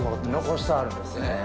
残してはるんですね。